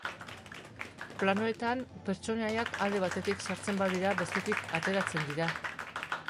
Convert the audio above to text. Planoetan, pertsonaiak alde batetik sartzen badira, bestetik ateratzen dira.